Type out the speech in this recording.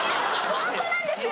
ホントなんですよ！